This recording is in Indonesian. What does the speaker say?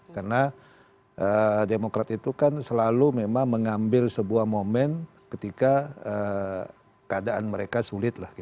karena demokrat itu selalu memang mengambil sebuah momen ketika keadaan mereka sulit